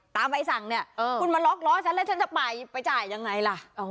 ใบสั่งเนี่ยคุณมาล็อกล้อฉันแล้วฉันจะไปจ่ายยังไงล่ะ